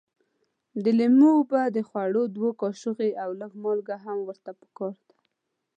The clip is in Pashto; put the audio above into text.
د لیمو اوبه د خوړو دوه کاشوغې او لږ مالګه هم ورته پکار ده.